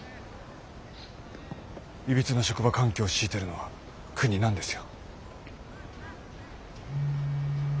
いびつな職場環境を強いてるのは国なんですよ。